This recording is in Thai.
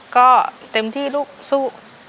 ก็เต็มที่ลูกสู้